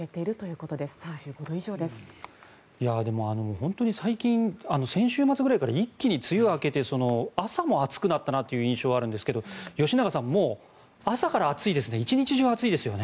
本当に最近先週末ぐらいから一気に梅雨が明けて朝も暑くなったなという印象があるんですが吉永さん、もう朝から暑いですね